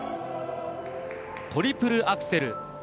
トリプルアクセル。